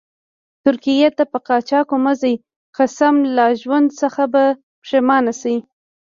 ترکيې ته قاچاق مه ځئ، قسم لا ژوند څخه به پیښمانه شئ.